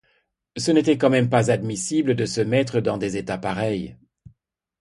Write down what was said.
Ce n’était quand même pas admissible de se mettre dans des états pareils.